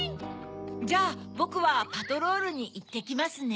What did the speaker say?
じゃあボクはパトロールにいってきますね。